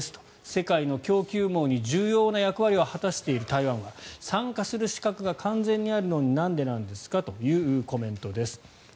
世界の供給網に重要な役割を果たしている台湾は参加する資格が完全にあるのになんでなんですかというコメントです。